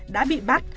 đã bị bắt